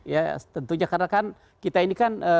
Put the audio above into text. ya tentunya karena kan kita ini kan